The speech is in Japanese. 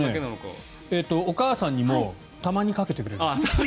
お母さんにもたまにかけてくれる。